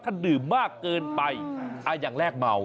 ถ้าดื่มมากเกินไปอย่างแรกเมา